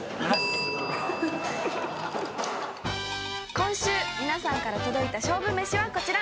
今週皆さんから届いた勝負めしはこちら。